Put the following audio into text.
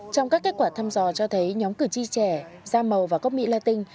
trong các kết quả thăm dò cho thấy nhóm cử tri trẻ da màu và gốc mỹ latin